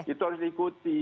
itu harus diikuti